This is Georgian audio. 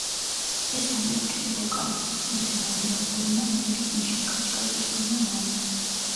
ეს ამერიკელი ვოკალისტის რიგით მეორე ალბომია, რომელიც მიშა კაჭკაჭიშვილმა მოამზადა.